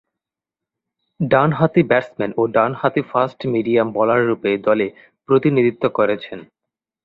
ডানহাতি ব্যাটসম্যান ও ডানহাতি ফাস্ট মিডিয়াম বোলাররূপে দলে প্রতিনিধিত্ব করছেন।